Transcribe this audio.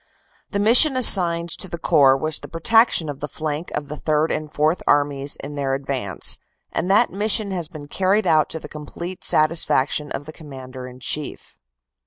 "The mission assigned to the Corps was the protection of the flank of the Third and Fourth Armies in their advance, and that mission has been carried out to the complete satisfac tion of the Commander in Chief.